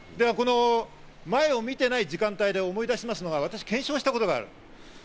前を見てない時間帯で思い出しますのが、私、検証したことがある。